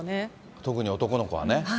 特に男の子はね。